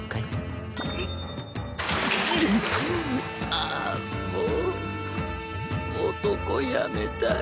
ああもう男やめたい。